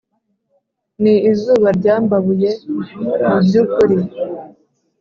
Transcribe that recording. ni izuba ryambabuye mu byukuri